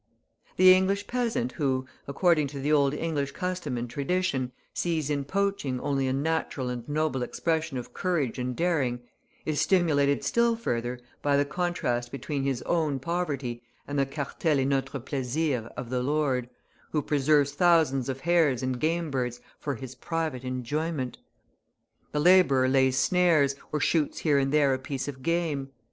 The English peasant who, according to the old English custom and tradition, sees in poaching only a natural and noble expression of courage and daring, is stimulated still further by the contrast between his own poverty and the car tel est notre plaisir of the lord, who preserves thousands of hares and game birds for his private enjoyment. The labourer lays snares, or shoots here and there a piece of game.